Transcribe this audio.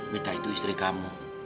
mita itu istri kamu